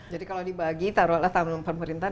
jadi kalau dibagi taruhlah tahun pemerintahan